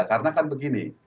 karena kan begini